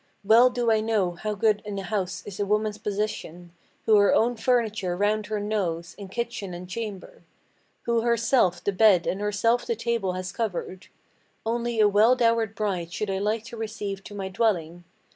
Well do I know how good in a house is a woman's position, Who her own furniture round her knows, in kitchen and chamber; Who herself the bed and herself the table has covered. Only a well dowered bride should I like to receive to my dwelling.